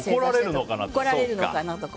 怒られるのかなとか。